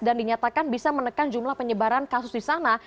dan dinyatakan bisa menekan jumlah penyebaran kasus disana